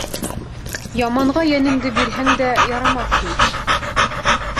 Яманға йәнеңде бирһәң дә, ярамаҫһың.